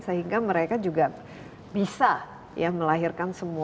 sehingga mereka juga bisa melahirkan